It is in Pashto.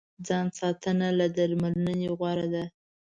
ځان ساتنه له درملنې غوره ده.